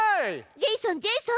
ジェイソンジェイソン！